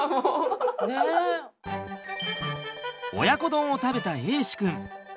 親子丼を食べた瑛志くん。